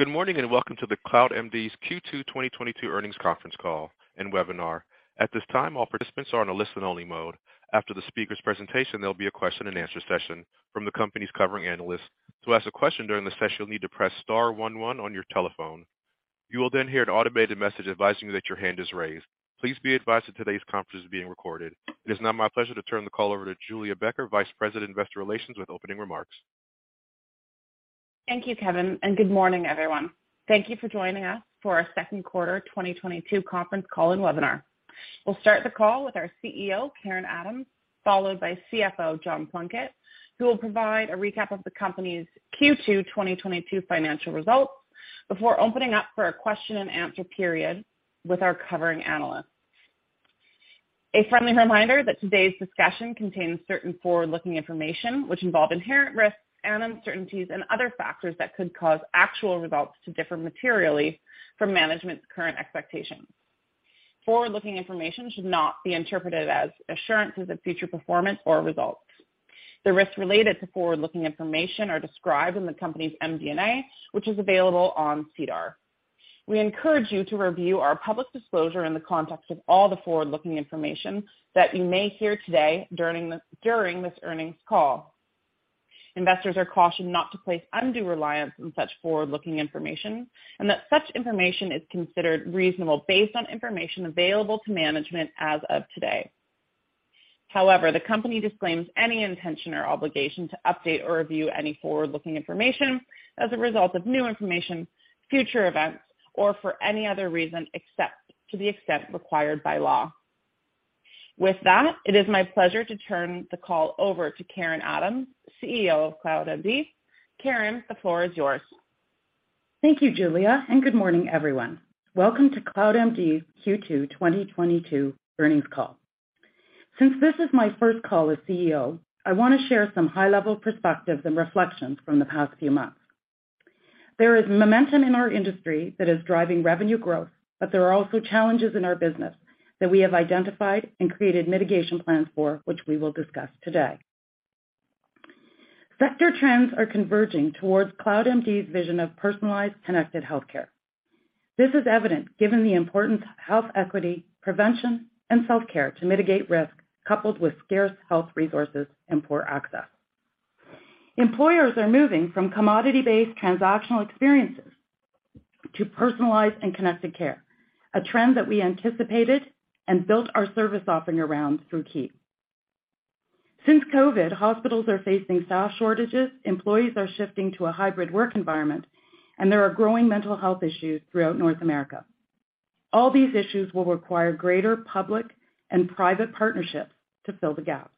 Good morning, and welcome to the CloudMD's Q2 2022 earnings conference call and webinar. At this time, all participants are on a listen only mode. After the speaker's presentation, there'll be a question and answer session from the company's covering analysts. To ask a question during the session, you'll need to press Star one one on your telephone. You will then hear an automated message advising you that your hand is raised. Please be advised that today's conference is being recorded. It is now my pleasure to turn the call over to Julia Becker, Vice President, Investor Relations, with opening remarks. Thank you, Kevin, and good morning, everyone. Thank you for joining us for our second quarter 2022 conference call and webinar. We'll start the call with our CEO, Karen Adams, followed by CFO, John Plunkett, who will provide a recap of the company's Q2 2022 financial results before opening up for a question and answer period with our covering analysts. A friendly reminder that today's discussion contains certain forward-looking information which involve inherent risks and uncertainties and other factors that could cause actual results to differ materially from management's current expectations. Forward-looking information should not be interpreted as assurances of future performance or results. The risks related to forward-looking information are described in the company's MD&A, which is available on SEDAR. We encourage you to review our public disclosure in the context of all the forward-looking information that you may hear today during this earnings call. Investors are cautioned not to place undue reliance on such forward-looking information and that such information is considered reasonable based on information available to management as of today. However, the company disclaims any intention or obligation to update or review any forward-looking information as a result of new information, future events, or for any other reason except to the extent required by law. With that, it is my pleasure to turn the call over to Karen Adams, CEO of CloudMD. Karen, the floor is yours. Thank you, Julia, and good morning, everyone. Welcome to CloudMD's Q2 2022 earnings call. Since this is my first call as CEO, I want to share some high-level perspectives and reflections from the past few months. There is momentum in our industry that is driving revenue growth, but there are also challenges in our business that we have identified and created mitigation plans for, which we will discuss today. Sector trends are converging towards CloudMD's vision of personalized connected healthcare. This is evident given the important health equity, prevention, and self-care to mitigate risk, coupled with scarce health resources and poor access. Employers are moving from commodity-based transactional experiences to personalized and connected care, a trend that we anticipated and built our service offering around through Kii. Since COVID, hospitals are facing staff shortages, employees are shifting to a hybrid work environment, and there are growing mental health issues throughout North America. All these issues will require greater public and private partnerships to fill the gaps.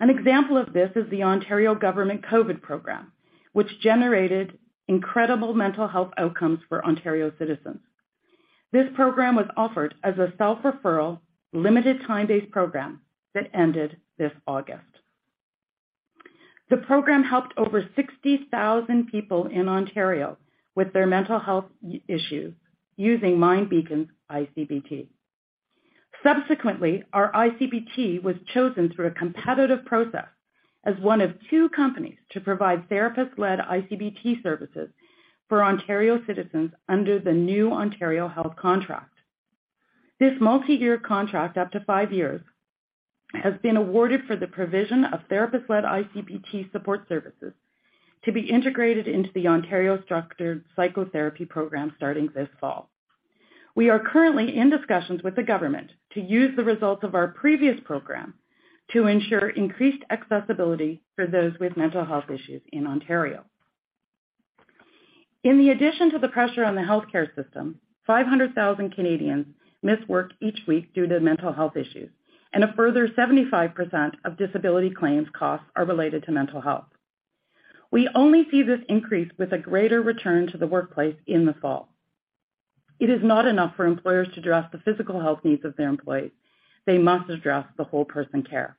An example of this is the Ontario government COVID program, which generated incredible mental health outcomes for Ontario citizens. This program was offered as a self-referral, limited time-based program that ended this August. The program helped over 60,000 people in Ontario with their mental health issues using MindBeacon ICBT. Subsequently, our ICBT was chosen through a competitive process as one of two companies to provide therapist-led ICBT services for Ontario citizens under the new Ontario Health contract. This multi-year contract, up to five years, has been awarded for the provision of therapist-led ICBT support services to be integrated into the Ontario Structured Psychotherapy Program starting this fall. We are currently in discussions with the government to use the results of our previous program to ensure increased accessibility for those with mental health issues in Ontario. In addition to the pressure on the healthcare system, 500,000 Canadians miss work each week due to mental health issues, and a further 75% of disability claims costs are related to mental health. We only see this increase with a greater return to the workplace in the fall. It is not enough for employers to address the physical health needs of their employees. They must address the whole person care.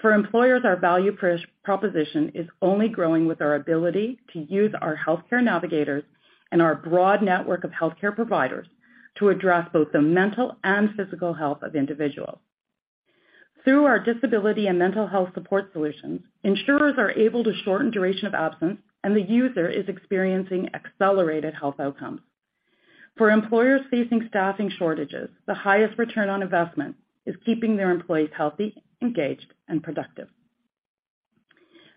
For employers, our value proposition is only growing with our ability to use our healthcare navigators and our broad network of healthcare providers to address both the mental and physical health of individuals. Through our disability and mental health support solutions, insurers are able to shorten duration of absence, and the user is experiencing accelerated health outcomes. For employers facing staffing shortages, the highest return on investment is keeping their employees healthy, engaged, and productive.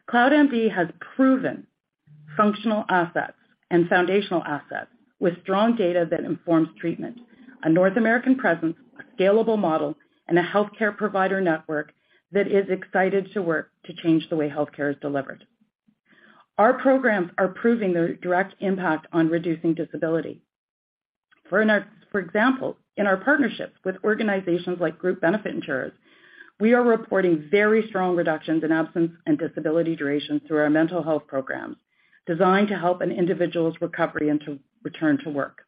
CloudMD has proven functional assets and foundational assets with strong data that informs treatment, a North American presence, a scalable model, and a healthcare provider network that is excited to work to change the way healthcare is delivered. Our programs are proving their direct impact on reducing disability. For example, in our partnerships with organizations like group benefit insurers, we are reporting very strong reductions in absence and disability duration through our mental health programs designed to help an individual's recovery and to return to work.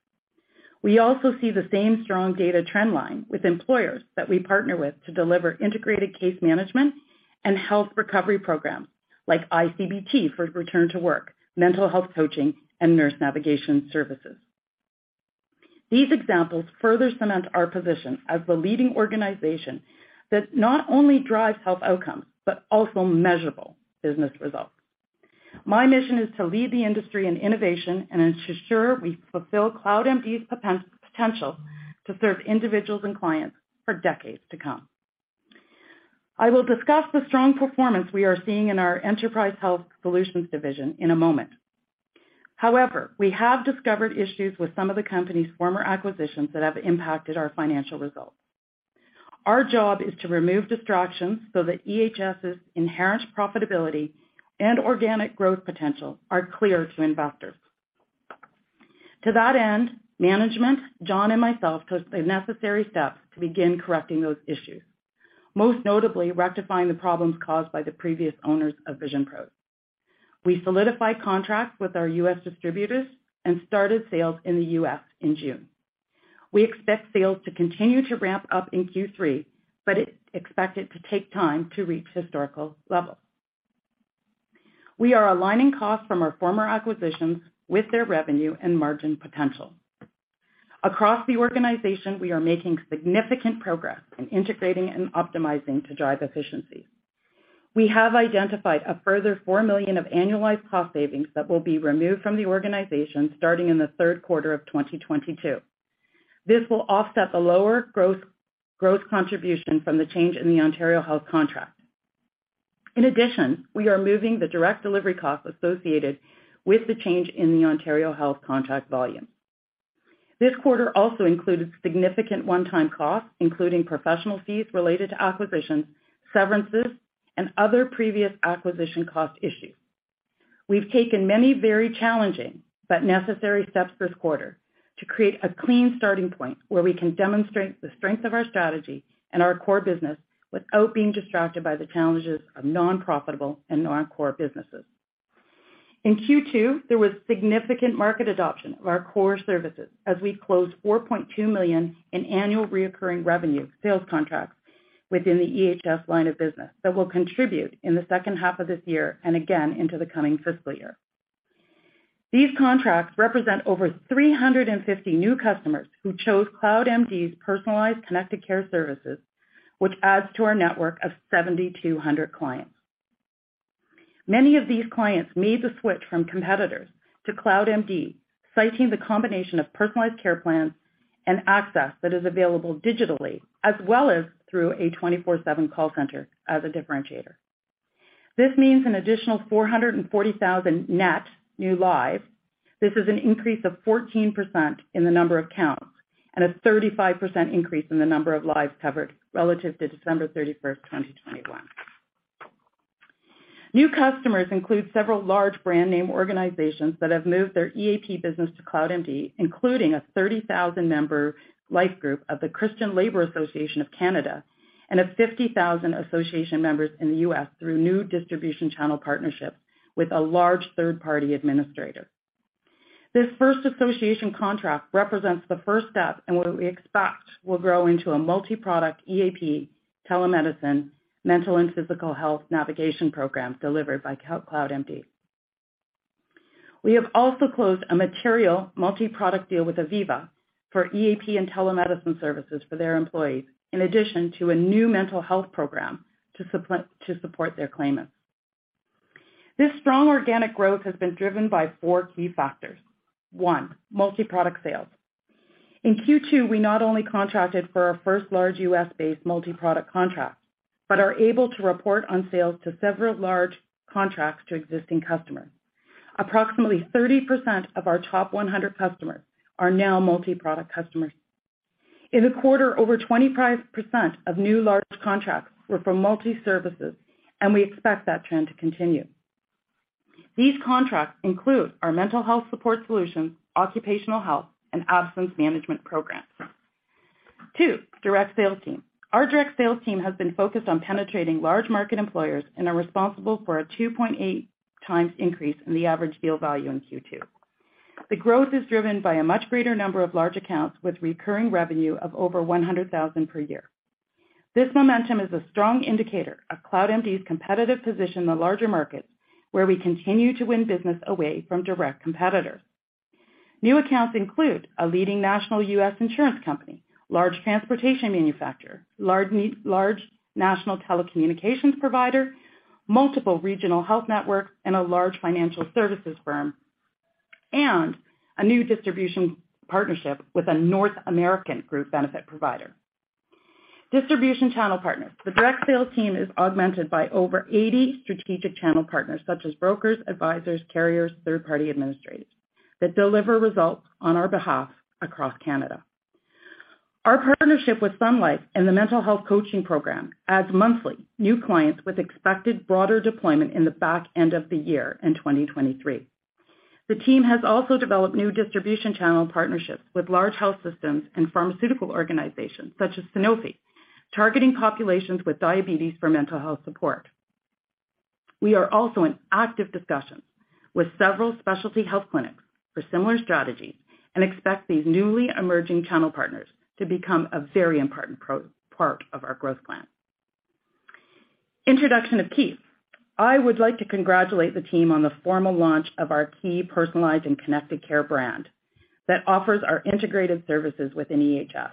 We also see the same strong data trend line with employers that we partner with to deliver integrated case management and health recovery programs like ICBT for return to work, mental health coaching, and nurse navigation services. These examples further cement our position as the leading organization that not only drives health outcomes, but also measurable business results. My mission is to lead the industry in innovation and ensure we fulfill CloudMD's potential to serve individuals and clients for decades to come. I will discuss the strong performance we are seeing in our Enterprise Health Solutions division in a moment. However, we have discovered issues with some of the company's former acquisitions that have impacted our financial results. Our job is to remove distractions so that EHS's inherent profitability and organic growth potential are clear to investors. To that end, management, John, and myself took the necessary steps to begin correcting those issues, most notably rectifying the problems caused by the previous owners of VisionPros. We solidified contracts with our U.S. distributors and started sales in the U.S. in June. We expect sales to continue to ramp up in Q3, but expect it to take time to reach historical levels. We are aligning costs from our former acquisitions with their revenue and margin potential. Across the organization, we are making significant progress in integrating and optimizing to drive efficiency. We have identified a further four million of annualized cost savings that will be removed from the organization starting in the third quarter of 2022. This will offset the lower growth contribution from the change in the Ontario Health contract. In addition, we are moving the direct delivery costs associated with the change in the Ontario Health contract volume. This quarter also included significant one-time costs, including professional fees related to acquisitions, severances, and other previous acquisition cost issues. We've taken many very challenging but necessary steps this quarter to create a clean starting point where we can demonstrate the strength of our strategy and our core business without being distracted by the challenges of non-profitable and non-core businesses. In Q2, there was significant market adoption of our core services as we closed 4.2 million in annual recurring revenue sales contracts within the EHS line of business that will contribute in the second half of this year and again into the coming fiscal year. These contracts represent over 350 new customers who chose CloudMD's personalized connected care services, which adds to our network of 7,200 clients. Many of these clients made the switch from competitors to CloudMD, citing the combination of personalized care plans and access that is available digitally as well as through a 24/7 call center as a differentiator. This means an additional 440,000 net new lives. This is an increase of 14% in the number of accounts and a 35% increase in the number of lives covered relative to December 31, 2021. New customers include several large brand name organizations that have moved their EAP business to CloudMD, including a 30,000 member life group of the Christian Labour Association of Canada and a 50,000 association members in the U.S. through new distribution channel partnerships with a large third-party administrator. This first association contract represents the first step in what we expect will grow into a multiproduct EAP, telemedicine, mental and physical health navigation program delivered by CloudMD. We have also closed a material multiproduct deal with Aviva for EAP and telemedicine services for their employees, in addition to a new mental health program to support their claimants. This strong organic growth has been driven by four key factors. One, multiproduct sales. In Q2, we not only contracted for our first large U.S.-based multiproduct contract, but are able to report on sales to several large contracts to existing customers. Approximately 30% of our top 100 customers are now multiproduct customers. In the quarter, over 25% of new large contracts were from multiservices, and we expect that trend to continue. These contracts include our mental health support solutions, occupational health, and absence management programs. two, direct sales team. Our direct sales team has been focused on penetrating large market employers and are responsible for a 2.8x increase in the average deal value in Q2. The growth is driven by a much greater number of large accounts with recurring revenue of over 100,000 per year. This momentum is a strong indicator of CloudMD's competitive position in the larger markets, where we continue to win business away from direct competitors. New accounts include a leading national US insurance company, large transportation manufacturer, large national telecommunications provider, multiple regional health networks, and a large financial services firm, and a new distribution partnership with a North American group benefit provider. Distribution channel partners. The direct sales team is augmented by over 80 strategic channel partners such as brokers, advisors, carriers, third party administrators that deliver results on our behalf across Canada. Our partnership with Sun Life and the mental health coaching program adds monthly new clients with expected broader deployment in the back end of the year in 2023. The team has also developed new distribution channel partnerships with large health systems and pharmaceutical organizations such as Sanofi, targeting populations with diabetes for mental health support. We are also in active discussions with several specialty health clinics for similar strategies and expect these newly emerging channel partners to become a very important part of our growth plan. Introduction of Kii. I would like to congratulate the team on the formal launch of our Kii personalized and connected care brand that offers our integrated services within EHS.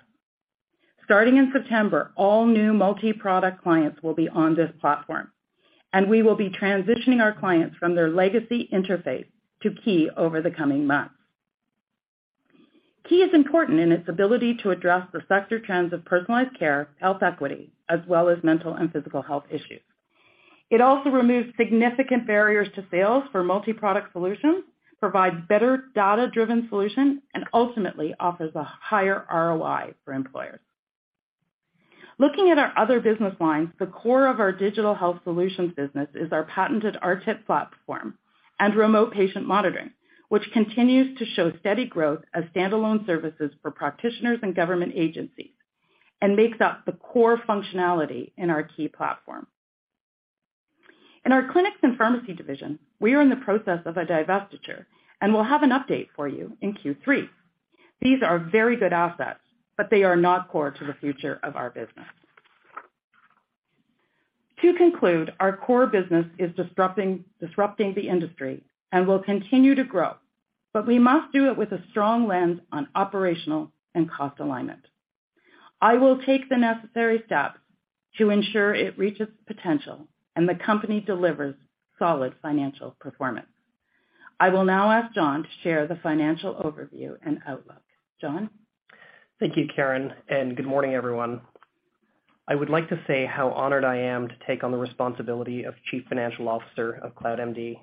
Starting in September, all new multi-product clients will be on this platform, and we will be transitioning our clients from their legacy interface to Kii over the coming months. Kii is important in its ability to address the sector trends of personalized care, health equity, as well as mental and physical health issues. It also removes significant barriers to sales for multi-product solutions, provides better data-driven solutions, and ultimately offers a higher ROI for employers. Looking at our other business lines, the core of our digital health solutions business is our patented RTIP platform and remote patient monitoring, which continues to show steady growth as standalone services for practitioners and government agencies and makes up the core functionality in our key platform. In our clinics and pharmacy division, we are in the process of a divestiture, and we'll have an update for you in Q3. These are very good assets, but they are not core to the future of our business. To conclude, our core business is disrupting the industry and will continue to grow, but we must do it with a strong lens on operational and cost alignment. I will take the necessary steps to ensure it reaches potential and the company delivers solid financial performance. I will now ask John to share the financial overview and outlook. John? Thank you, Karen, and good morning, everyone. I would like to say how honored I am to take on the responsibility of Chief Financial Officer of CloudMD.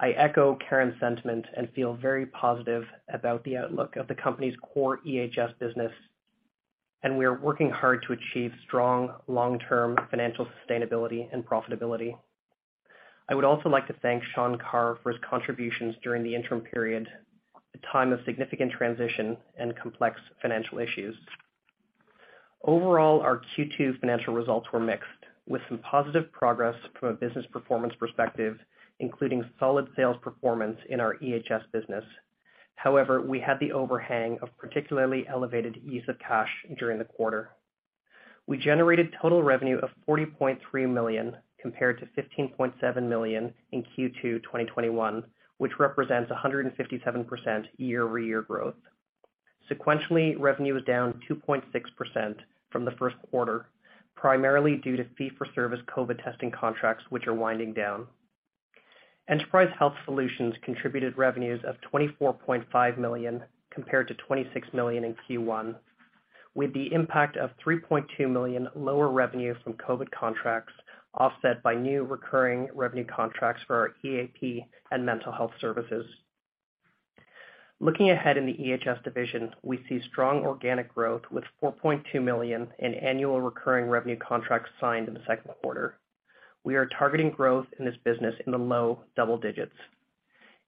I echo Karen's sentiment and feel very positive about the outlook of the company's core EHS business, and we are working hard to achieve strong long-term financial sustainability and profitability. I would also like to thank Sean Carr for his contributions during the interim period, a time of significant transition and complex financial issues. Overall, our Q2 financial results were mixed, with some positive progress from a business performance perspective, including solid sales performance in our EHS business. However, we had the overhang of particularly elevated use of cash during the quarter. We generated total revenue of 40.3 million compared to 15.7 million in Q2 2021, which represents 157% year-over-year growth. Sequentially, revenue is down 2.6% from the first quarter, primarily due to fee-for-service COVID testing contracts, which are winding down. Enterprise Health Solutions contributed revenues of 24.5 million compared to 26 million in Q1, with the impact of 3.2 million lower revenue from COVID contracts offset by new recurring revenue contracts for our EAP and mental health services. Looking ahead in the EHS division, we see strong organic growth with 4.2 million in annual recurring revenue contracts signed in the second quarter. We are targeting growth in this business in the low double digits.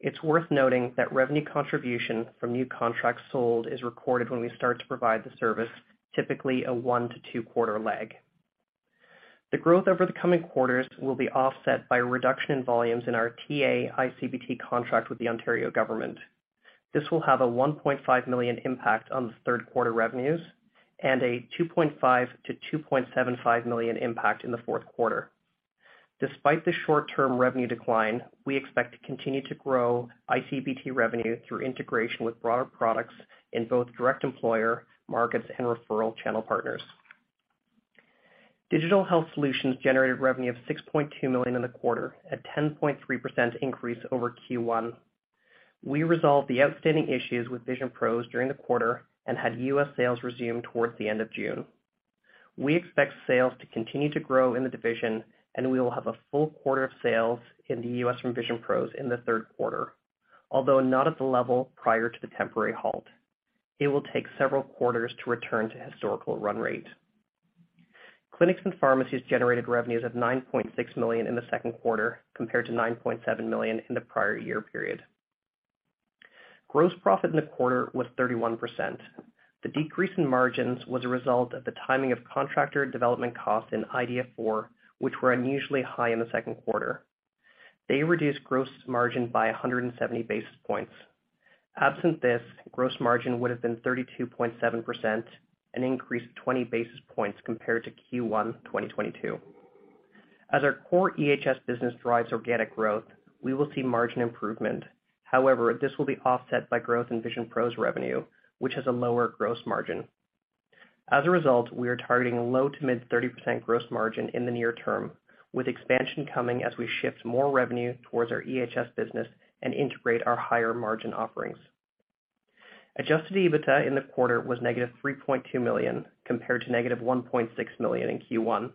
It's worth noting that revenue contribution from new contracts sold is recorded when we start to provide the service, typically a one- to two-quarter lag. The growth over the coming quarters will be offset by a reduction in volumes in our TA ICBT contract with the Ontario government. This will have a 1.5 million impact on the third quarter revenues and a 2.5 million-2.75 million impact in the fourth quarter. Despite the short-term revenue decline, we expect to continue to grow ICBT revenue through integration with broader products in both direct employer markets and referral channel partners. Digital Health Solutions generated revenue of 6.2 million in the quarter at 10.3% increase over Q1. We resolved the outstanding issues with VisionPros during the quarter and had US sales resume towards the end of June. We expect sales to continue to grow in the division, and we will have a full quarter of sales in the US from VisionPros in the third quarter, although not at the level prior to the temporary halt. It will take several quarters to return to historical run rate. Clinics and pharmacies generated revenues of 9.6 million in the second quarter compared to 9.7 million in the prior year period. Gross profit in the quarter was 31%. The decrease in margins was a result of the timing of contractor development costs in iDEA4, which were unusually high in the second quarter. They reduced gross margin by 170 basis points. Absent this, gross margin would have been 32.7%, an increase of 20 basis points compared to Q1 2022. As our core EHS business drives organic growth, we will see margin improvement. However, this will be offset by growth in VisionPros' revenue, which has a lower gross margin. As a result, we are targeting a low- to mid-30% gross margin in the near term, with expansion coming as we shift more revenue towards our EHS business and integrate our higher margin offerings. Adjusted EBITDA in the quarter was negative 3.2 million compared to negative 1.6 million in Q1.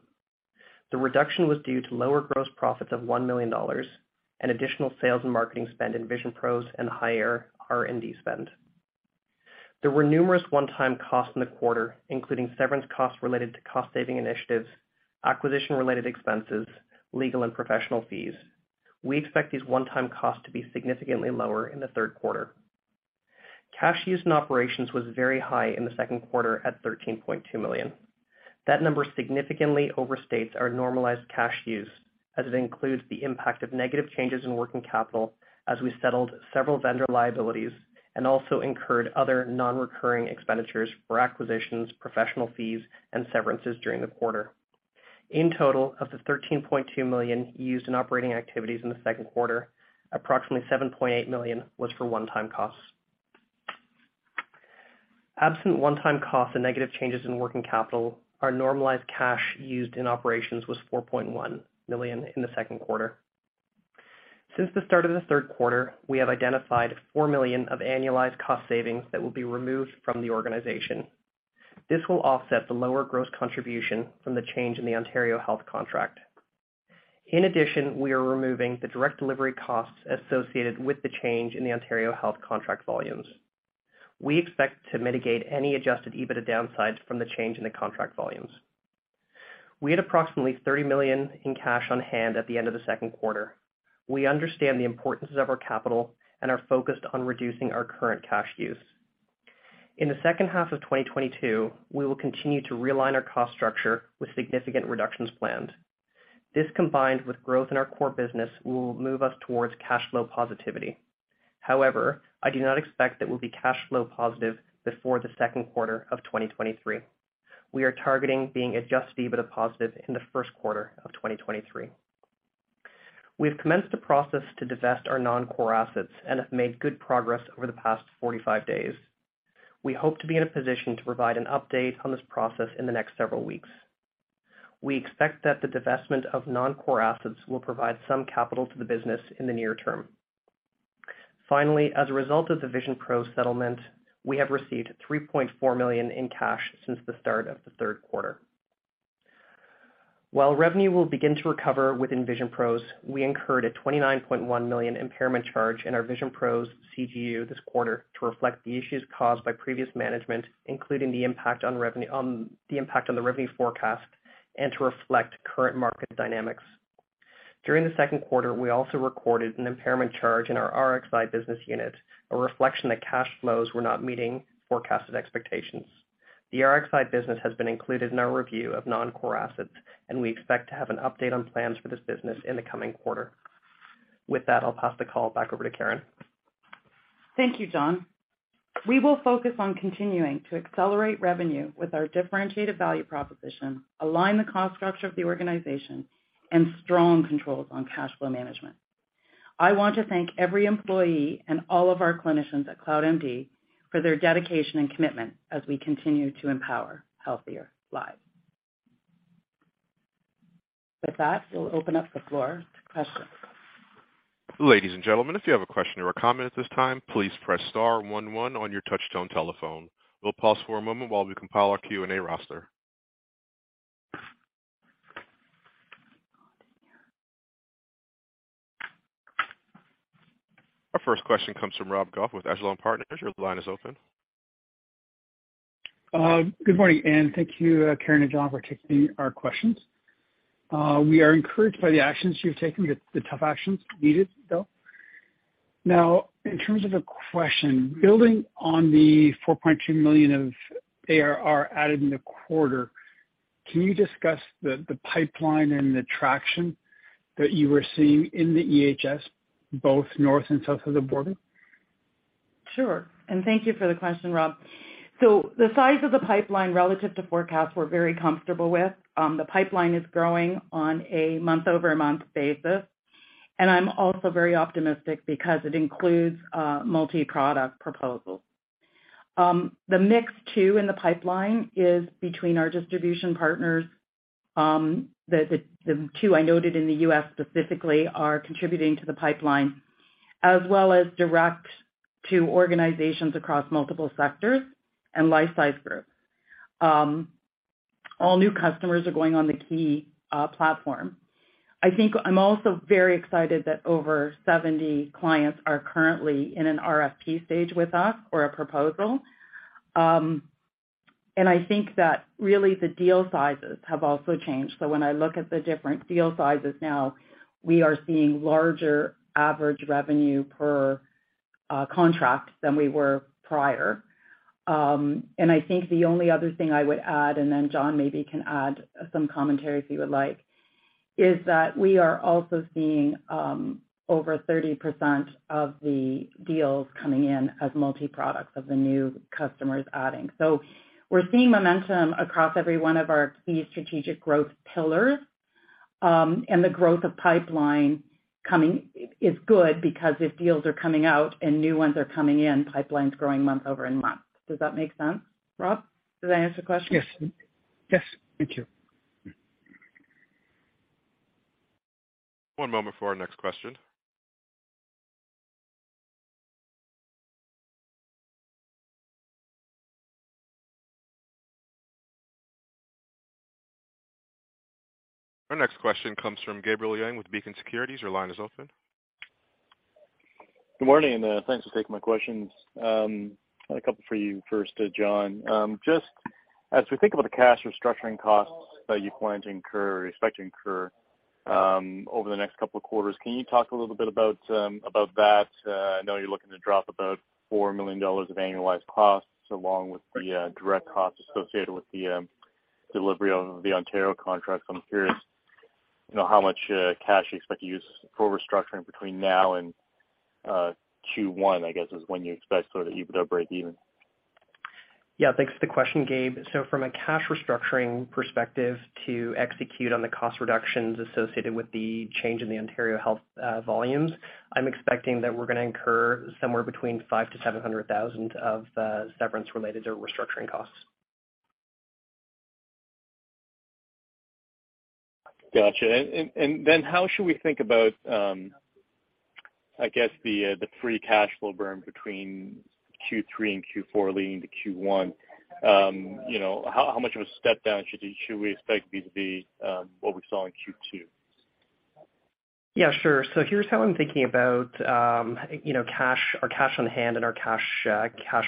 The reduction was due to lower gross profits of 1 million dollars and additional sales and marketing spend in VisionPros' and higher R&D spend. There were numerous one-time costs in the quarter, including severance costs related to cost-saving initiatives, acquisition-related expenses, legal and professional fees. We expect these one-time costs to be significantly lower in the third quarter. Cash use in operations was very high in the second quarter at 13.2 million. That number significantly overstates our normalized cash use. As it includes the impact of negative changes in working capital as we settled several vendor liabilities and also incurred other non-recurring expenditures for acquisitions, professional fees, and severances during the quarter. In total, of the 13.2 million used in operating activities in the second quarter, approximately 7.8 million was for one-time costs. Absent one-time costs and negative changes in working capital, our normalized cash used in operations was 4.1 million in the second quarter. Since the start of the third quarter, we have identified 4 million of annualized cost savings that will be removed from the organization. This will offset the lower gross contribution from the change in the Ontario Health contract. In addition, we are removing the direct delivery costs associated with the change in the Ontario Health contract volumes. We expect to mitigate any adjusted EBITDA downsides from the change in the contract volumes. We had approximately 30 million in cash on hand at the end of the second quarter. We understand the importance of our capital and are focused on reducing our current cash use. In the second half of 2022, we will continue to realign our cost structure with significant reductions planned. This, combined with growth in our core business, will move us towards cash flow positivity. However, I do not expect that we'll be cash flow positive before the second quarter of 2023. We are targeting being adjusted EBITDA positive in the first quarter of 2023. We have commenced a process to divest our non-core assets and have made good progress over the past 45 days. We hope to be in a position to provide an update on this process in the next several weeks. We expect that the divestment of non-core assets will provide some capital to the business in the near term. Finally, as a result of the VisionPros settlement, we have received 3.4 million in cash since the start of the third quarter. While revenue will begin to recover within VisionPros', we incurred a 29.1 million impairment charge in our VisionPros' CGU this quarter to reflect the issues caused by previous management, including the impact on revenue, the impact on the revenue forecast and to reflect current market dynamics. During the second quarter, we also recorded an impairment charge in our Rxi business unit, a reflection that cash flows were not meeting forecasted expectations. The Rxi business has been included in our review of non-core assets, and we expect to have an update on plans for this business in the coming quarter. With that, I'll pass the call back over to Karen. Thank you, John. We will focus on continuing to accelerate revenue with our differentiated value proposition, align the cost structure of the organization, and strong controls on cash flow management. I want to thank every employee and all of our clinicians at CloudMD for their dedication and commitment as we continue to empower healthier lives. With that, we'll open up the floor to questions. Ladies and gentlemen, if you have a question or a comment at this time, please press star one one on your touchtone telephone. We'll pause for a moment while we compile our Q&A roster. Our first question comes from Rob Goff with Echelon Wealth Partners. Your line is open. Good morning, and thank you, Karen and John, for taking our questions. We are encouraged by the actions you've taken. The tough actions needed, though. Now, in terms of a question, building on the 4.2 million of ARR added in the quarter, can you discuss the pipeline and the traction that you were seeing in the EHS, both north and south of the border? Sure. Thank you for the question, Rob. The size of the pipeline relative to forecast, we're very comfortable with. The pipeline is growing on a month-over-month basis. I'm also very optimistic because it includes multi-product proposals. The mix too, in the pipeline is between our distribution partners, the two I noted in the U.S. specifically are contributing to the pipeline, as well as direct to organizations across multiple sectors and life sciences groups. All new customers are going on the Kii platform. I think I'm also very excited that over 70 clients are currently in an RFP stage with us or a proposal. I think that really the deal sizes have also changed. When I look at the different deal sizes now, we are seeing larger average revenue per contract than we were prior. I think the only other thing I would add, and then Jon maybe can add some commentary if you would like, is that we are also seeing, over 30% of the deals coming in as multi-product of the new customers adding. We're seeing momentum across every one of our key strategic growth pillars. The growth of pipeline coming is good because if deals are coming out and new ones are coming in, pipeline's growing month-over-month. Does that make sense, Rob? Did I answer the question? Yes. Yes. Thank you. One moment for our next question. Our next question comes from Gabriel Leung with Beacon Securities. Your line is open. Good morning, and thanks for taking my questions. A couple for you first, John. Just as we think about the cash restructuring costs that you plan to incur or expect to incur, over the next couple of quarters, can you talk a little bit about that? I know you're looking to drop about four million dollars of annualized costs along with the direct costs associated with the delivery of the Ontario contract. I'm curious You know how much cash you expect to use for restructuring between now and Q1, I guess, is when you expect sort of EBITDA breakeven? Yeah, thanks for the question, Gabe. From a cash restructuring perspective to execute on the cost reductions associated with the change in the Ontario Health volumes, I'm expecting that we're gonna incur somewhere between 500 thousand-700 thousand of severance related to restructuring costs. Got you. How should we think about, I guess the free cash flow burn between Q3 and Q4 leading to Q1? You know, how much of a step down should we expect vis-à-vis what we saw in Q2? Yeah, sure. Here's how I'm thinking about, you know, cash, our cash on hand and our cash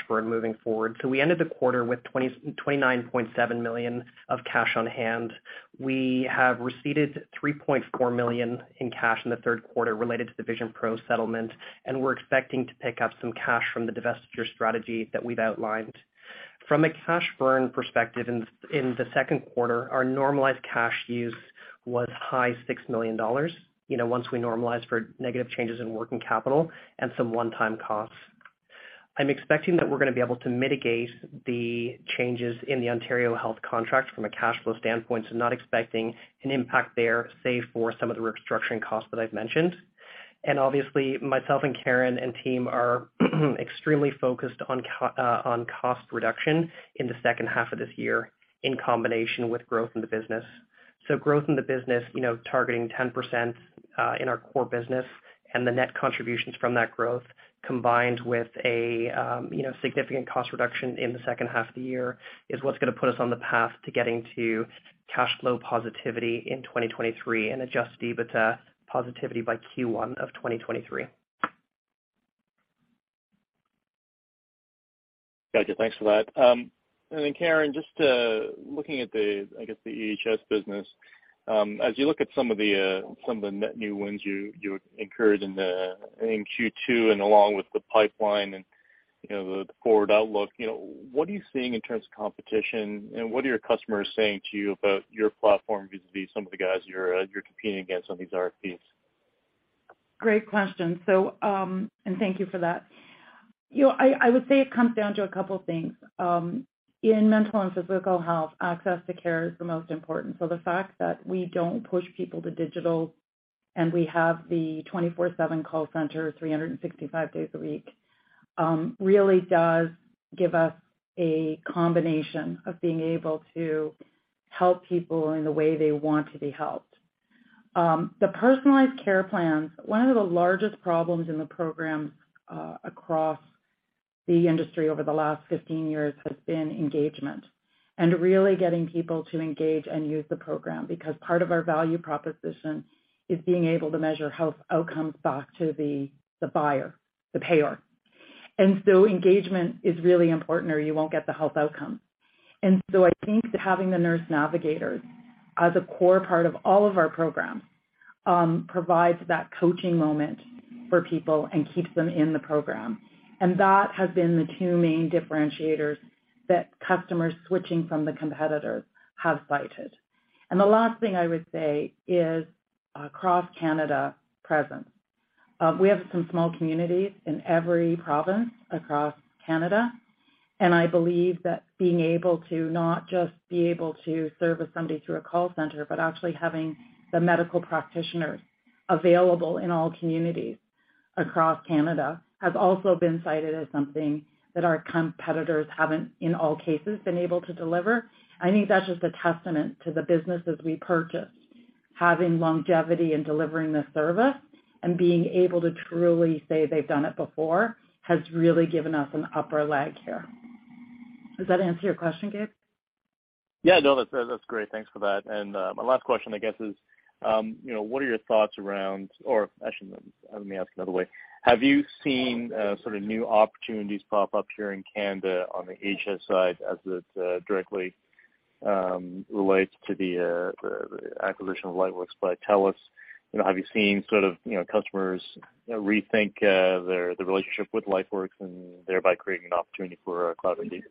burn moving forward. We ended the quarter with 29.7 million of cash on hand. We have received 3.4 million in cash in the third quarter related to the VisionPros settlement, and we're expecting to pick up some cash from the divestiture strategy that we've outlined. From a cash burn perspective in the second quarter, our normalized cash use was high six million dollars, you know, once we normalize for negative changes in working capital and some one-time costs. I'm expecting that we're gonna be able to mitigate the changes in the Ontario Health contract from a cash flow standpoint, so not expecting an impact there, save for some of the restructuring costs that I've mentioned. Obviously, myself and Karen and team are extremely focused on cost reduction in the second half of this year in combination with growth in the business. Growth in the business, you know, targeting 10% in our core business and the net contributions from that growth, combined with significant cost reduction in the second half of the year, is what's gonna put us on the path to getting to cash flow positivity in 2023 and adjusted EBITDA positivity by Q1 of 2023. Got you. Thanks for that. Karen, just looking at the, I guess, the EHS business, as you look at some of the net new wins you incurred in Q2 and along with the pipeline and, you know, the forward outlook, you know, what are you seeing in terms of competition, and what are your customers saying to you about your platform vis-à-vis some of the guys you're competing against on these RFPs? Great question. Thank you for that. You know, I would say it comes down to a couple of things. In mental and physical health, access to care is the most important. The fact that we don't push people to digital and we have the 24/7 call center, 365 days a week, really does give us a combination of being able to help people in the way they want to be helped. The personalized care plans, one of the largest problems in the program across the industry over the last 15 years has been engagement and really getting people to engage and use the program because part of our value proposition is being able to measure health outcomes back to the buyer, the payer. Engagement is really important or you won't get the health outcome. I think that having the nurse navigators as a core part of all of our programs provides that coaching moment for people and keeps them in the program. That has been the two main differentiators that customers switching from the competitors have cited. The last thing I would say is across Canada presence. We have some small communities in every province across Canada, and I believe that being able to not just service somebody through a call center, but actually having the medical practitioners available in all communities across Canada, has also been cited as something that our competitors haven't, in all cases, been able to deliver. I think that's just a testament to the businesses we purchased. Having longevity in delivering the service and being able to truly say they've done it before has really given us an upper hand here. Does that answer your question, Gabe? Yeah. No, that's great. Thanks for that. My last question, I guess, is have you seen sort of new opportunities pop up here in Canada on the EHS side as it directly relates to the acquisition of LifeWorks by TELUS? You know, have you seen sort of, you know, customers rethink their relationship with LifeWorks and thereby creating an opportunity for CloudMD?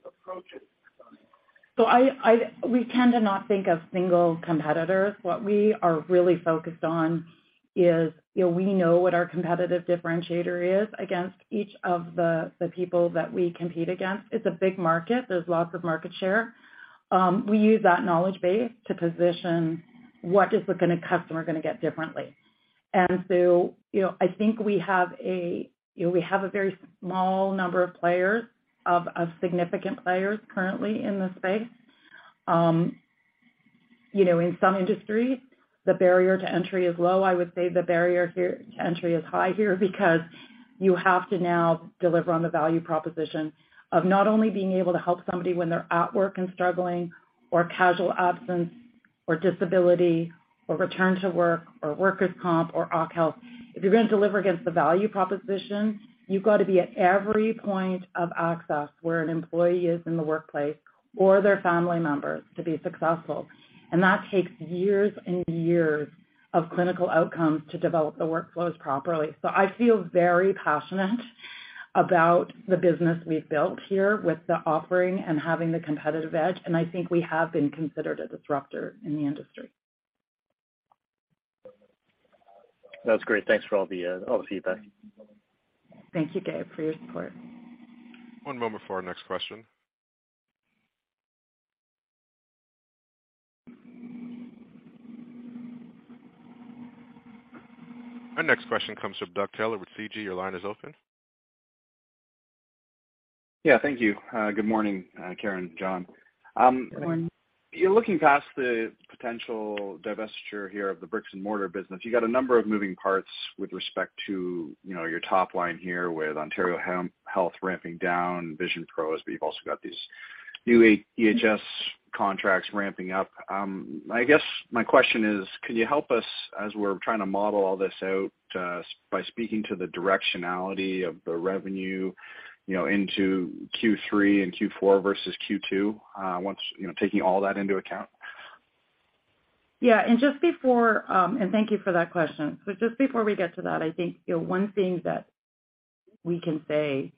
We tend to not think of single competitors. What we are really focused on is, we know what our competitive differentiator is against each of the people that we compete against. It's a big market. There's lots of market share. We use that knowledge base to position what is the kinda customer gonna get differently. I think we have a very small number of significant players currently in the space. In some industries, the barrier to entry is low. I would say the barrier here to entry is high here because you have to now deliver on the value proposition of not only being able to help somebody when they're at work and struggling, or casual absence, or disability, or return to work, or workers' comp, or occ health. If you're gonna deliver against the value proposition, you've got to be at every point of access where an employee is in the workplace or their family members to be successful. That takes years and years of clinical outcomes to develop the workflows properly. I feel very passionate about the business we've built here with the offering and having the competitive edge, and I think we have been considered a disruptor in the industry. That's great. Thanks for all the feedback. Thank you, Gabe, for your support. One moment for our next question. Our next question comes from Doug Taylor with CG. Your line is open. Yeah. Thank you. Good morning, Karen, Jon. Good morning. You're looking past the potential divestiture here of the bricks and mortar business. You got a number of moving parts with respect to, you know, your top line here with Ontario Health ramping down VisionPros, but you've also got these new EHS contracts ramping up. I guess my question is, can you help us as we're trying to model all this out, by speaking to the directionality of the revenue, you know, into Q3 and Q4 versus Q2, once, you know, taking all that into account? Yeah. Just before, thank you for that question. Just before we get to that, I think the one thing that we can say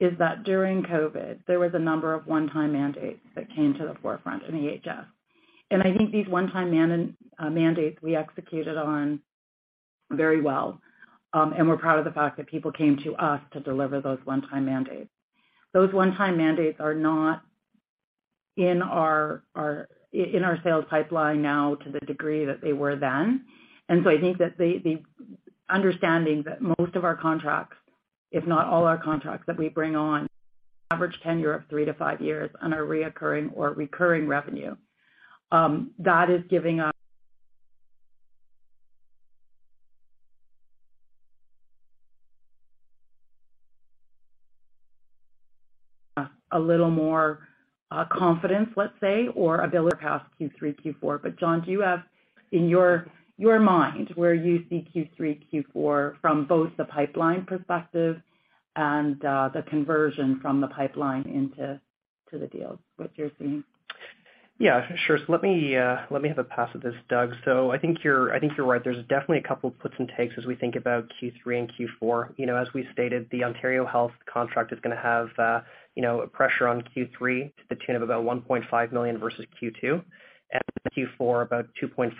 is that during COVID, there was a number of one-time mandates that came to the forefront in EHS. I think these one-time mandates we executed on very well, and we're proud of the fact that people came to us to deliver those one-time mandates. Those one-time mandates are not in our in our sales pipeline now to the degree that they were then. I think that the understanding that most of our contracts, if not all our contracts that we bring on, average tenure of three to five years and are recurring revenue, that is giving us a little more confidence, let's say, or ability past Q3, Q4. John, do you have in your mind where you see Q3, Q4 from both the pipeline perspective and the conversion from the pipeline into the deals, what you're seeing? Yeah, sure. Let me have a pass at this, Doug. I think you're right. There's definitely a couple gives and takes as we think about Q3 and Q4. You know, as we stated, the Ontario Health contract is gonna have a pressure on Q3 to the tune of about 1.5 million versus Q2. Q4, about 2.5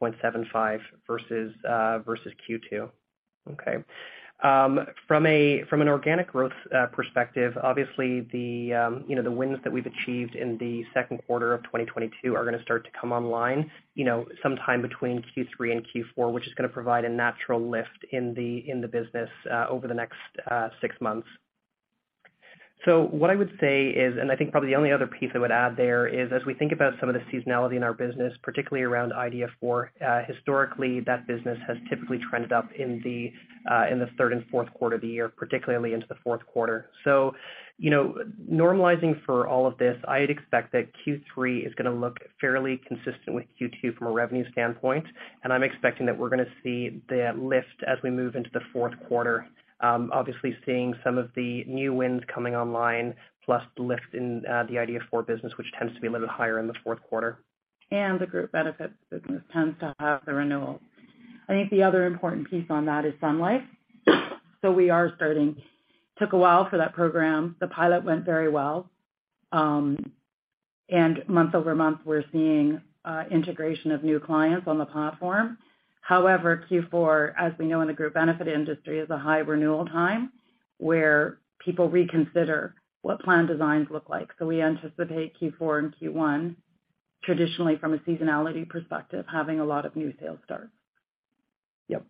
million-2.75 million versus Q2. Okay. From an organic growth perspective, obviously the wins that we've achieved in the second quarter of 2022 are gonna start to come online, you know, sometime between Q3 and Q4, which is gonna provide a natural lift in the business over the next six months. What I would say is, and I think probably the only other piece I would add there, is as we think about some of the seasonality in our business, particularly around iDEA4, historically that business has typically trended up in the third and fourth quarter of the year, particularly into the fourth quarter. You know, normalizing for all of this, I'd expect that Q3 is gonna look fairly consistent with Q2 from a revenue standpoint. I'm expecting that we're gonna see the lift as we move into the fourth quarter. Obviously seeing some of the new wins coming online, plus the lift in the iDEA4 business, which tends to be a little higher in the fourth quarter. The group benefits business tends to have the renewal. I think the other important piece on that is Sun Life. We are starting. Took a while for that program. The pilot went very well. Month-over-month, we're seeing integration of new clients on the platform. However, Q4, as we know in the group benefit industry, is a high renewal time where people reconsider what plan designs look like. We anticipate Q4 and Q1, traditionally from a seasonality perspective, having a lot of new sales starts. Yep.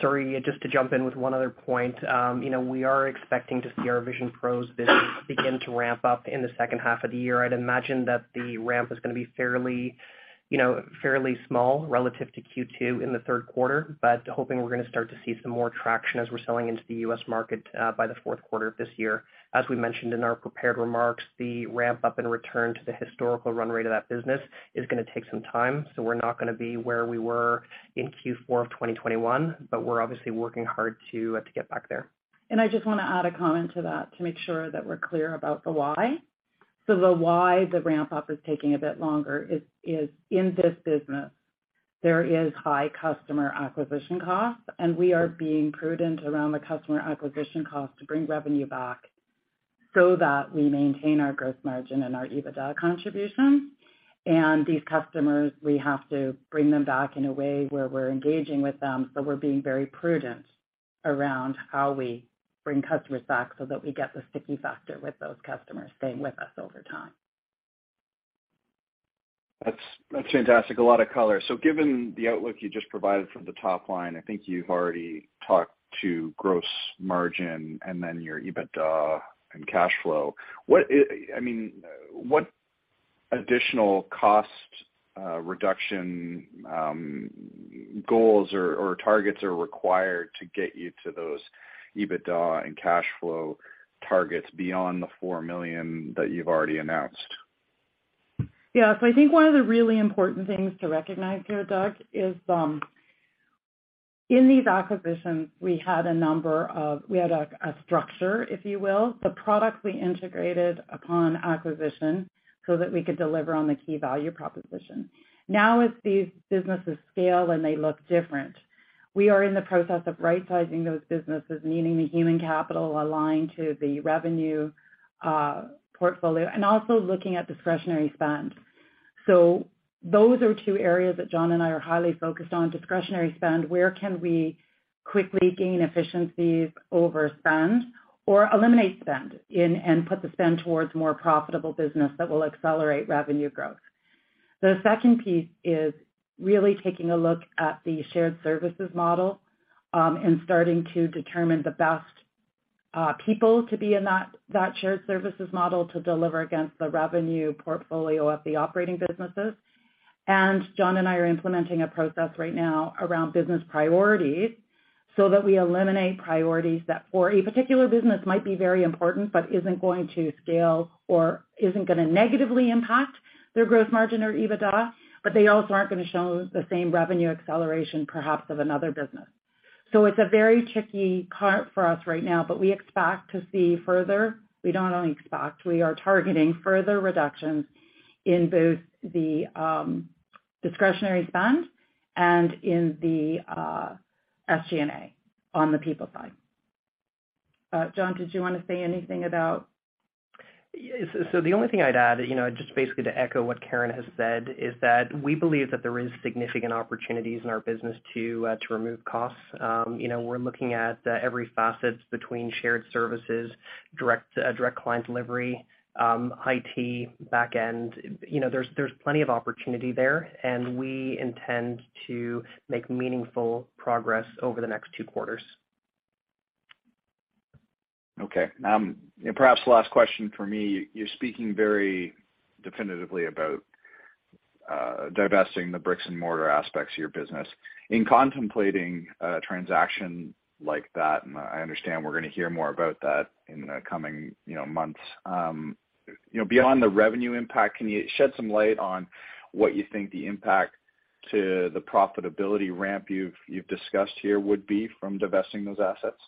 Sorry, just to jump in with one other point, you know, we are expecting to see our VisionPros business begin to ramp up in the second half of the year. I'd imagine that the ramp is gonna be fairly, you know, fairly small relative to Q2 in the third quarter, but hoping we're gonna start to see some more traction as we're selling into the US market, by the fourth quarter of this year. As we mentioned in our prepared remarks, the ramp up and return to the historical run rate of that business is gonna take some time. We're not gonna be where we were in Q4 of 2021, but we're obviously working hard to get back there. I just wanna add a comment to that to make sure that we're clear about the why. The why the ramp up is taking a bit longer is in this business, there is high customer acquisition costs, and we are being prudent around the customer acquisition costs to bring revenue back so that we maintain our gross margin and our EBITDA contribution. These customers, we have to bring them back in a way where we're engaging with them. We're being very prudent around how we bring customers back so that we get the sticky factor with those customers staying with us over time. That's fantastic. A lot of color. Given the outlook you just provided from the top line, I think you've already talked to gross margin and then your EBITDA and cash flow. What additional cost reduction goals or targets are required to get you to those EBITDA and cash flow targets beyond the four million that you've already announced? Yeah. I think one of the really important things to recognize here, Doug, is, in these acquisitions, we had a structure, if you will. The product we integrated upon acquisition so that we could deliver on the key value proposition. Now, as these businesses scale and they look different. We are in the process of right-sizing those businesses, meaning the human capital aligned to the revenue portfolio and also looking at discretionary spend. Those are two areas that John and I are highly focused on. Discretionary spend, where can we quickly gain efficiencies over spend or eliminate spend in and put the spend towards more profitable business that will accelerate revenue growth. The second piece is really taking a look at the shared services model, and starting to determine the best, people to be in that shared services model to deliver against the revenue portfolio of the operating businesses. John and I are implementing a process right now around business priorities so that we eliminate priorities that for a particular business might be very important but isn't going to scale or isn't gonna negatively impact their growth margin or EBITDA, but they also aren't gonna show the same revenue acceleration perhaps of another business. It's a very tricky part for us right now, but we expect to see further. We don't only expect, we are targeting further reductions in both the, discretionary spend and in the, SG&A on the people side. John, did you wanna say anything about? The only thing I'd add, you know, just basically to echo what Karen has said, is that we believe that there is significant opportunities in our business to remove costs. You know, we're looking at every facet between shared services, direct client delivery, IT, back-end. You know, there's plenty of opportunity there, and we intend to make meaningful progress over the next two quarters. Okay. Perhaps the last question for me. You're speaking very definitively about divesting the bricks-and-mortar aspects of your business. In contemplating a transaction like that, and I understand we're gonna hear more about that in the coming, you know, months, you know, beyond the revenue impact, can you shed some light on what you think the impact to the profitability ramp you've discussed here would be from divesting those assets?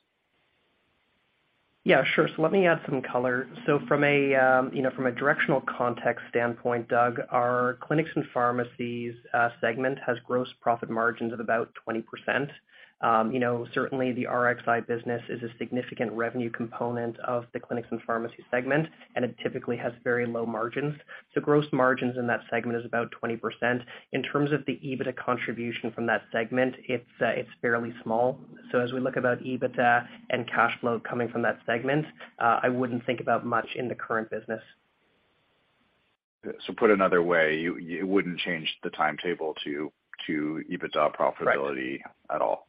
Yeah, sure. Let me add some color. From a, you know, from a directional context standpoint, Doug, our clinics and pharmacies segment has gross profit margins of about 20%. You know, certainly the Rxi business is a significant revenue component of the clinics and pharmacy segment, and it typically has very low margins. Gross margins in that segment is about 20%. In terms of the EBITDA contribution from that segment, it's fairly small. As we talk about EBITDA and cash flow coming from that segment, I wouldn't think about much in the current business. Put another way, you wouldn't change the timetable to EBITDA profitability? Right. at all.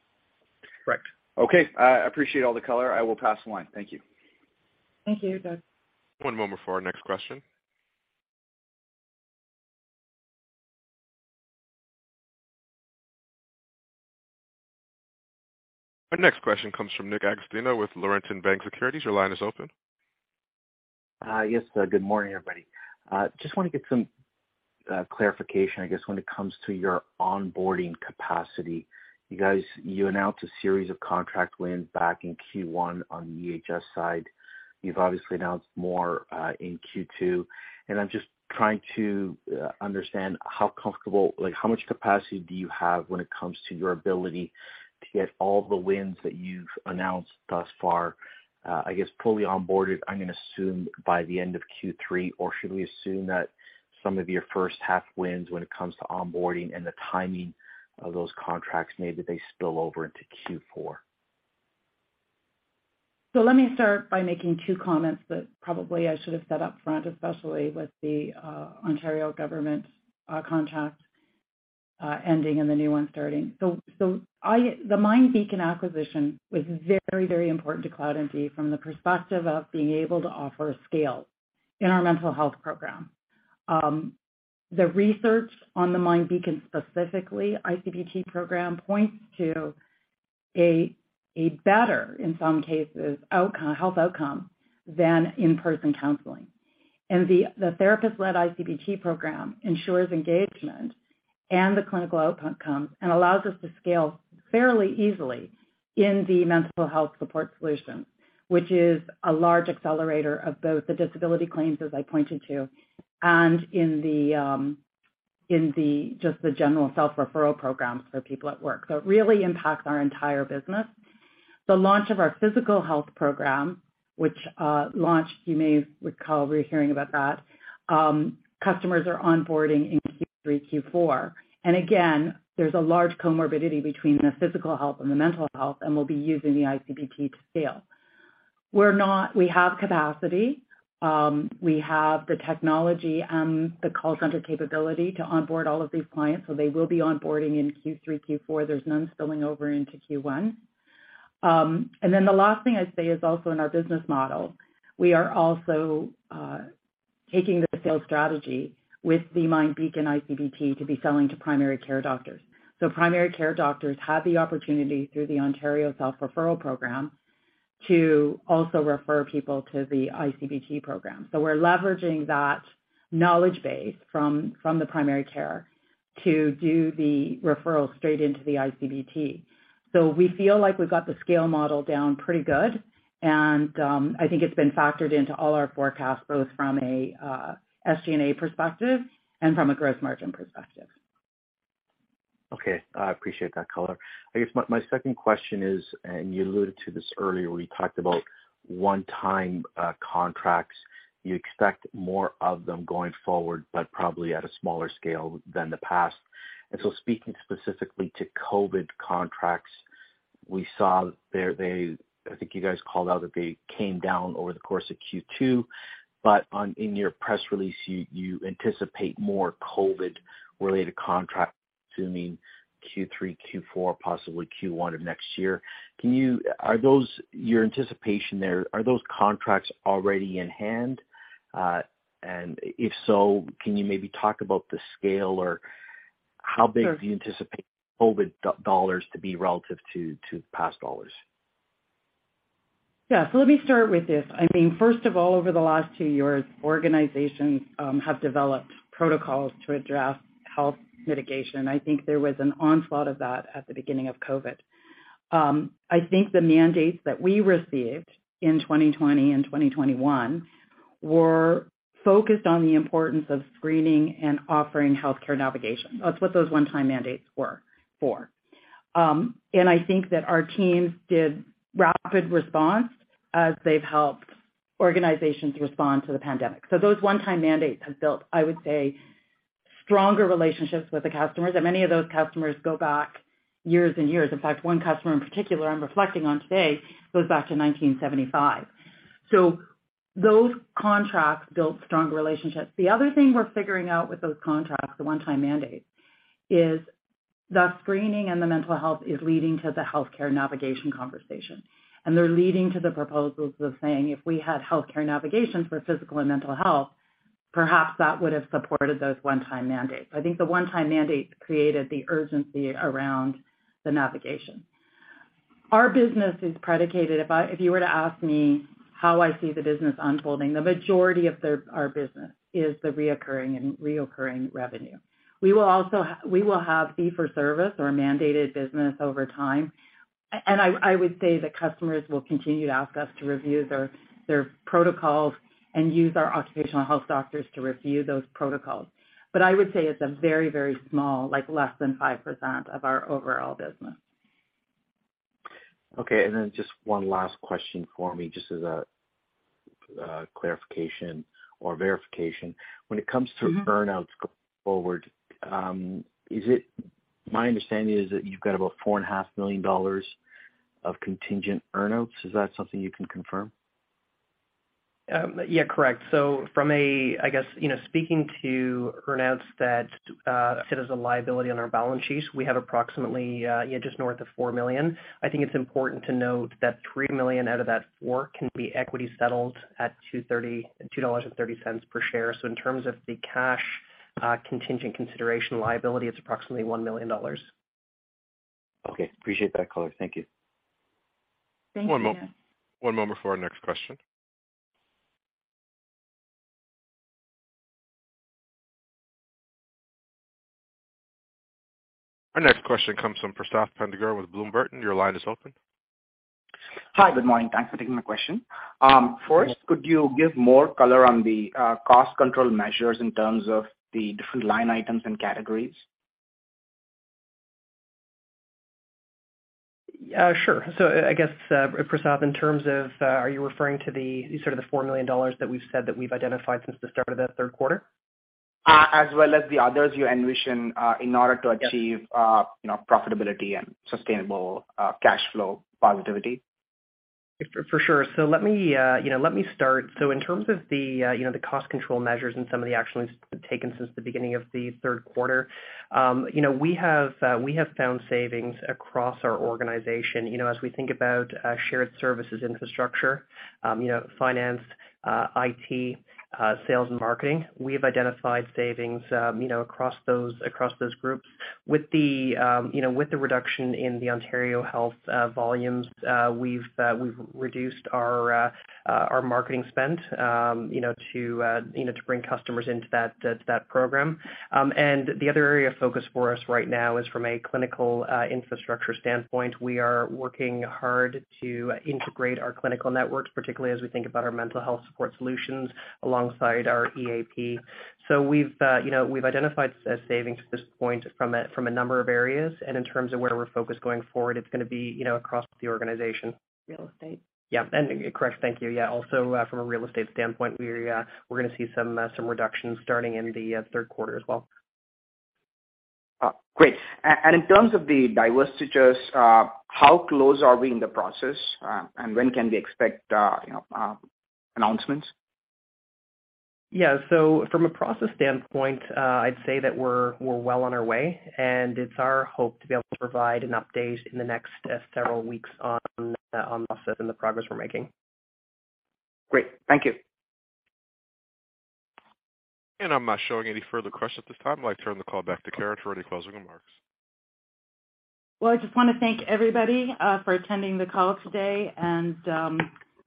Correct. Okay. I appreciate all the color. I will pass the line. Thank you. Thank you, Doug. One moment for our next question. Our next question comes from Nick Agostino with Laurentian Bank Securities. Your line is open. Good morning, everybody. Just wanna get some clarification, I guess, when it comes to your onboarding capacity. You announced a series of contract wins back in Q1 on the EHS side. You've obviously announced more in Q2. I'm just trying to understand how comfortable. Like, how much capacity do you have when it comes to your ability to get all the wins that you've announced thus far, I guess, fully onboarded, I'm gonna assume, by the end of Q3? Or should we assume that some of your first half wins when it comes to onboarding and the timing of those contracts, maybe they spill over into Q4? Let me start by making two comments that probably I should have said upfront, especially with the Ontario government contract ending and the new one starting. The MindBeacon acquisition was very, very important to CloudMD from the perspective of being able to offer scale in our mental health program. The research on the MindBeacon, specifically ICBT program, points to a better, in some cases, health outcome than in-person counseling. The therapist-led ICBT program ensures engagement and the clinical outcomes and allows us to scale fairly easily in the mental health support solution, which is a large accelerator of both the disability claims, as I pointed to, and in just the general self-referral programs for people at work. It really impacts our entire business. The launch of our physical health program, which launched, you may recall we're hearing about that, customers are onboarding in Q3, Q4. Again, there's a large comorbidity between the physical health and the mental health, and we'll be using the ICBT to scale. We have capacity. We have the technology and the call center capability to onboard all of these clients, so they will be onboarding in Q3, Q4. There's none spilling over into Q1. Then the last thing I'd say is also in our business model. We are also taking the sales strategy with the MindBeacon ICBT to be selling to primary care doctors. Primary care doctors have the opportunity through the Ontario self-referral program to also refer people to the ICBT program. We're leveraging that knowledge base from the primary care to do the referral straight into the ICBT. We feel like we've got the scale model down pretty good. I think it's been factored into all our forecasts, both from a SG&A perspective and from a gross margin perspective. Okay. I appreciate that color. I guess my second question is, you alluded to this earlier when you talked about one-time contracts. You expect more of them going forward, but probably at a smaller scale than the past. Speaking specifically to COVID contracts, we saw that they came down over the course of Q2, but in your press release, you anticipate more COVID-related contracts assuming Q3, Q4, possibly Q1 of next year. Can you? Are those your anticipation there? Are those contracts already in hand? And if so, can you maybe talk about the scale or how big do you anticipate COVID dollars to be relative to past dollars? Yeah. Let me start with this. I mean, first of all, over the last two years, organizations have developed protocols to address health mitigation. I think there was an onslaught of that at the beginning of COVID. I think the mandates that we received in 2020 and 2021 were focused on the importance of screening and offering healthcare navigation. That's what those one-time mandates were for. I think that our teams did rapid response as they've helped organizations respond to the pandemic. Those one-time mandates have built, I would say, stronger relationships with the customers, and many of those customers go back years and years. In fact, one customer in particular I'm reflecting on today goes back to 1975. Those contracts built stronger relationships. The other thing we're figuring out with those contracts, the one-time mandates, is the screening and the mental health is leading to the healthcare navigation conversation. They're leading to the proposals of saying, "If we had healthcare navigation for physical and mental health, perhaps that would have supported those one-time mandates." I think the one-time mandates created the urgency around the navigation. Our business is predicated, if you were to ask me how I see the business unfolding, the majority of our business is the recurring revenue. We will also have fee for service or mandated business over time. I would say the customers will continue to ask us to review their protocols and use our occupational health doctors to review those protocols. I would say it's a very, very small, like less than 5% of our overall business. Okay. Just one last question for me, just as a clarification or verification. Mm-hmm. When it comes to earn-outs going forward, is it my understanding that you've got about 4 and a half million dollars of contingent earn-outs. Is that something you can confirm? From a, I guess, you know, speaking to earn-outs that sit as a liability on our balance sheets, we have approximately just north of 4 million. I think it's important to note that 3 million out of that 4 million can be equity settled at 2.30 dollars per share. In terms of the cash contingent consideration liability, it's approximately 1 million dollars. Okay. Appreciate that color. Thank you. Thank you. One moment. One moment for our next question. Our next question comes from Prakash Patel with Bloomberg. Your line is open. Hi. Good morning. Thanks for taking my question. First, could you give more color on the cost control measures in terms of the different line items and categories? Sure. I guess, Prakash Patel, in terms of, are you referring to the sort of the 4 million dollars that we've said that we've identified since the start of that third quarter? As well as the others you envision, in order to achieve- Yes. You know, profitability and sustainable cash flow positivity. For sure. Let me, you know, start. In terms of the cost control measures and some of the actions taken since the beginning of the third quarter, you know, we have found savings across our organization. You know, as we think about shared services infrastructure, you know, finance, IT, sales and marketing, we have identified savings, you know, across those groups. With the reduction in the Ontario Health volumes, we've reduced our marketing spend, you know, to bring customers into that program. The other area of focus for us right now is from a clinical infrastructure standpoint. We are working hard to integrate our clinical networks, particularly as we think about our mental health support solutions alongside our EAP. We've identified savings to this point from a number of areas. In terms of where we're focused going forward, it's gonna be across the organization. Real estate. Yeah. Correct. Thank you. Yeah. Also, from a real estate standpoint, we're gonna see some reductions starting in the third quarter as well. Great. In terms of the divestitures, how close are we in the process, and when can we expect, you know, announcements? Yeah. From a process standpoint, I'd say that we're well on our way, and it's our hope to be able to provide an update in the next several weeks on the process and the progress we're making. Great. Thank you. I'm not showing any further questions at this time. I'd like to turn the call back to Karen for any closing remarks. Well, I just wanna thank everybody for attending the call today, and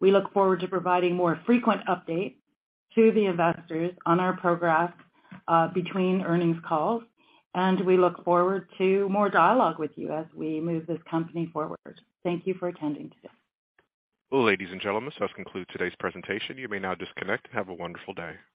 we look forward to providing more frequent updates to the investors on our progress between earnings calls, and we look forward to more dialogue with you as we move this company forward. Thank you for attending today. Ladies and gentlemen, this does conclude today's presentation. You may now disconnect. Have a wonderful day.